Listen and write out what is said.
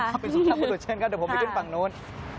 เป็นสุดท้ายประตูเชิญครับเดี๋ยวผมไปขึ้นฝั่งโน้น